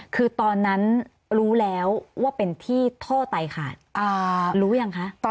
คือตอนนั้นรู้แล้วว่าเป็นที่ท่อไตขาดรู้ยังคะ